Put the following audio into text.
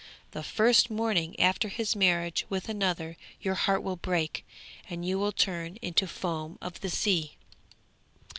The first morning after his marriage with another your heart will break, and you will turn into foam of the sea.'